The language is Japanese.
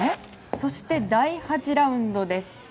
そして、第８ラウンドです。